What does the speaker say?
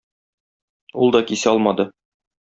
Ул да кисә алмады.